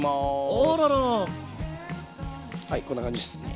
はいこんな感じですね。